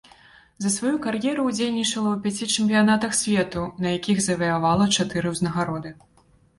За сваю кар'еру ўдзельнічала ў пяці чэмпіянатах свету, на якіх заваявала чатыры ўзнагароды.